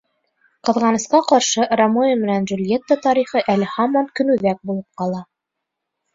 Ҡыҙғанысҡа ҡаршы, Ромео менән Джульетта тарихы әле һаман көнүҙәк булып ҡала.